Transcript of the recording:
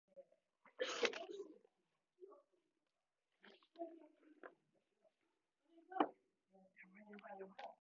山梨県身延町